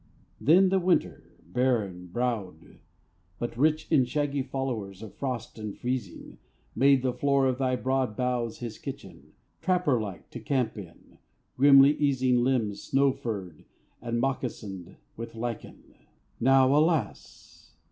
Then the Winter, barren browed, but rich in Shaggy followers of frost and freezing, Made the floor of thy broad boughs his kitchen, Trapper like, to camp in; grimly easing Limbs snow furred and moccasoned with lichen. Now, alas!